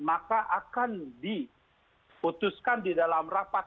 maka akan di putuskan di dalam rapat